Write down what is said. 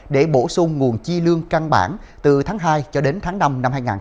để bổ sung nguồn chi lương căn bản từ tháng hai cho đến tháng năm năm hai nghìn hai mươi